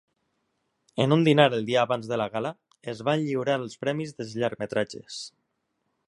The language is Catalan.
En un dinar el dia abans de la gala, es van lliurar els premis dels llargmetratges.